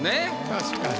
確かに。